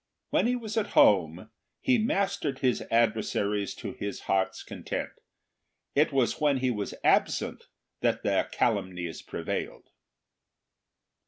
When he was at home, he mastered his adversaries to his heart's content; it was when he was absent that their calumnies pre vailed.